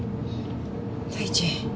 第一